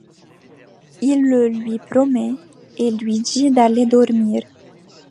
Il le lui promet et lui dit d'aller dormir.